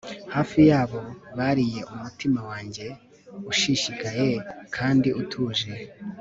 hafi yabo bariye umutima wanjye ushishikaye kandi utuje